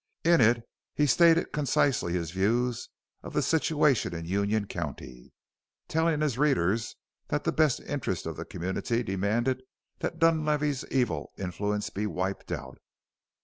In it he stated concisely his views of the situation in Union County, telling his readers that the best interests of the community demanded that Dunlavey's evil influence be wiped out.